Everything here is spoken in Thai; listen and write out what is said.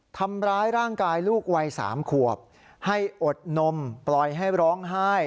ทำร้ายร่างกายลูกวัย๓ขวบให้อดนมปล่อยให้ร้องไห้